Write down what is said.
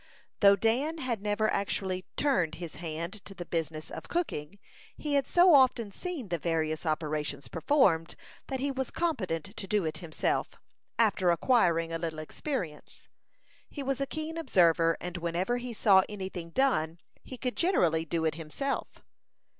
Though Dan had never actually turned his hand to the business of cooking, he had so often seen the various operations performed, that he was competent to do it himself, after acquiring a little experience. He was a keen observer, and whenever he saw any thing done, he could generally do it himself.